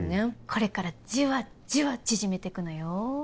これからじわっじわ縮めていくのよ